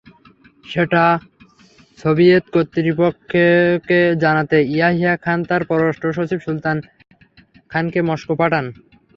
সেটা সোভিয়েত কর্তৃপক্ষকে জানাতে ইয়াহিয়া খান তাঁর পররাষ্ট্রসচিব সুলতান খানকে মস্কো পাঠান।